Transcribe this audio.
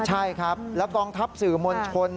ใช่ครับแล้วกองทัพสื่อมวลชน